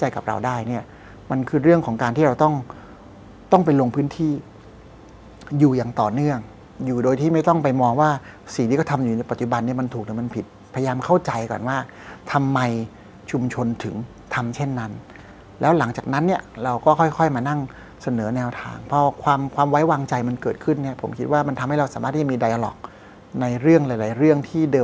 กับเราได้เนี้ยมันคือเรื่องของการที่เราต้องต้องไปลงพื้นที่อยู่อย่างต่อเนื่องอยู่โดยที่ไม่ต้องไปมองว่าสิ่งที่เขาทำอยู่ในปัจจุบันเนี้ยมันถูกหรือมันผิดพยายามเข้าใจก่อนว่าทำไมชุมชนถึงทำเช่นนั้นแล้วหลังจากนั้นเนี้ยเราก็ค่อยค่อยมานั่งเสนอแนวทางเพราะความความไว้วางใจมันเกิดขึ้นเนี้